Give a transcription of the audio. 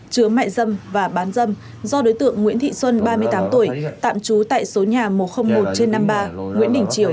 chứa mại dâm và bán dâm do đối tượng nguyễn thị xuân ba mươi tám tuổi tạm trú tại số nhà một trăm linh một trên năm mươi ba nguyễn đình triều